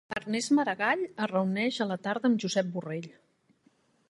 Ernest Maragall es reuneix a la tarda amb Josep Borrell